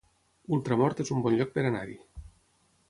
Ultramort es un bon lloc per anar-hi